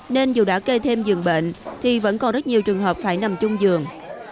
nên dù đã kê thêm dường bệnh thì vẫn còn rất nhiều trường hợp phải nằm chung giường